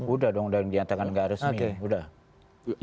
udah dong udah diatakan gak resmi